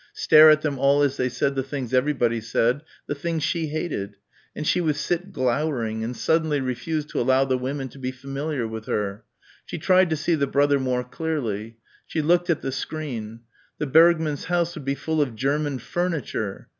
Stare at them all as they said the things everybody said, the things she hated; and she would sit glowering, and suddenly refuse to allow the women to be familiar with her.... She tried to see the brother more clearly. She looked at the screen. The Bergmanns' house would be full of German furniture....